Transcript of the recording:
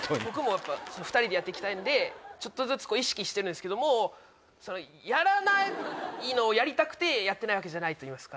僕も２人でやって行きたいんでちょっとずつ意識してるけどやらないのをやりたくてやってないわけじゃない。